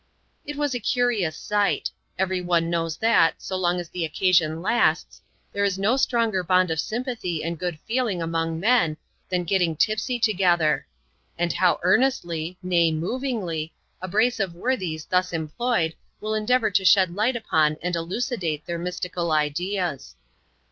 It was a curious sight. Every one knows, that, so long as the occasion lasts, there is no stronger bond of sympathy and good feeling among men than getting tipsy together. And how earnestly, nay, movingly, a brace of worthies thus em ployed will endeavour to shed light upon and elucidate their mystical ideas!